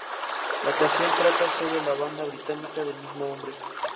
La canción trata sobre la banda británica del mismo nombre.